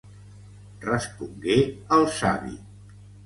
Respongué el savi.